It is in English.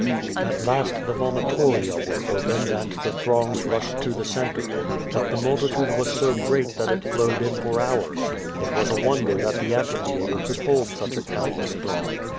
At last the vomitoria were opened and the throngs rushed to the centre. But the multitude was so great that it flowed in for hours. It was a wonder that the amphitheatre could hold such a countless throng.